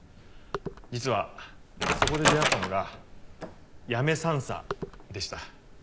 実はそこで出会ったのが八女３佐でした。